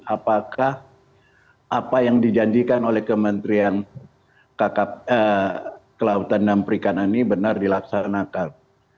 apakah apa yang dijanjikan oleh kementerian kelautan dan perikanan ini benar dilaksanakan